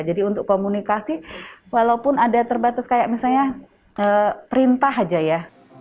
jadi untuk komunikasi walaupun ada terbatas kayak misalnya perintah aja ya